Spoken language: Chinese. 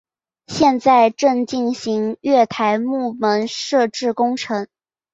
现在正进行月台幕门设置工程。